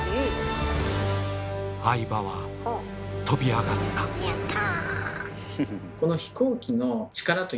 相羽はとび上がったやった。